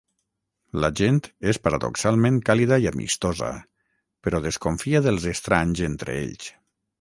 La gent és paradoxalment càlida i amistosa, però desconfia dels estranys entre ells.